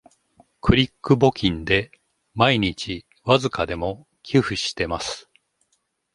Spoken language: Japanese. クリック募金で毎日わずかでも寄付してます